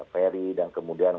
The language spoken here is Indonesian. ferry dan kemudian